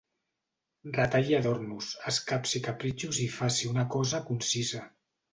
Retalli adornos, escapsi capritxos i faci una cosa concisa